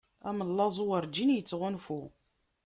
Amellaẓu urǧin ittɣunfu.